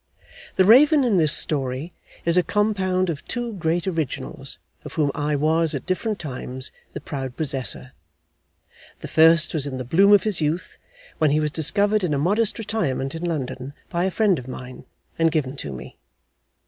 The raven in this story is a compound of two great originals, of whom I was, at different times, the proud possessor. The first was in the bloom of his youth, when he was discovered in a modest retirement in London, by a friend of mine, and given to me.